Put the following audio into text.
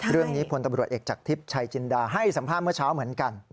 เรื่องนี้ผลตบรวจเอกจากทฤษัยจินดาให้สัมภาพเมื่อเช้าเหมือนกัน